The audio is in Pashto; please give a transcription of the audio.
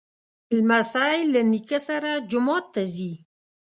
لمسی له نیکه سره جومات ته ځي.